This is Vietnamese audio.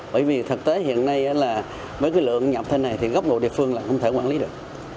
bởi vì thực tế hiện nay là với cái lượng nhập thế này thì góc độ địa phương là không thể quản lý được